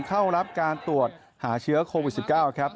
เข้ารับการตรวจหาเชื้อโควิด๑๙ครับ